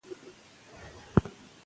که عدالت وي نو بې انصافي نه وي.